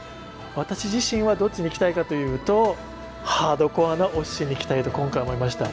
私自身はどっちに行きたいかというとハードコアなお鮨に行きたいと今回思いました。